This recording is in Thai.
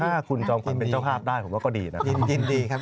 ถ้าคุณจอมความเป็นเจ้าภาพได้ผมว่าก็ดีนะครับ